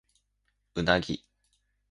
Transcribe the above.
うなぎ